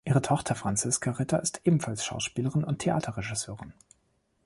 Ihre Tochter Franziska Ritter ist ebenfalls Schauspielerin und Theaterregisseurin.